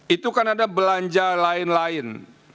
itu kan ada belanja lain lain